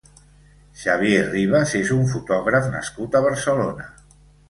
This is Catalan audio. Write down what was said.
Xavier Ribas és un fotògraf nascut a Barcelona.